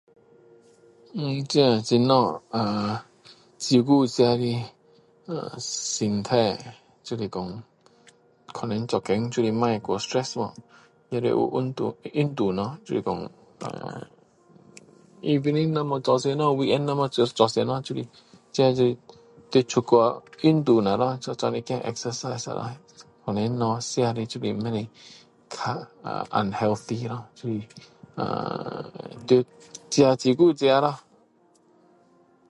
我这怎样呃照顾自己的身体就是说可能做工就是不要太stress哦也要有运动运动咯就是说呃evening 没有做什么weekend 没有做什么就是自己出去运动咯做一点exercise 啦可能东西吃的就是不unhealthy lo 就是呃要自己照顾自己咯